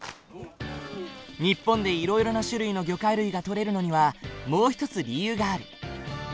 日本でいろいろな種類の魚介類が取れるのにはもう一つ理由がある。